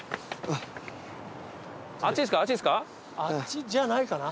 あっちじゃないかな。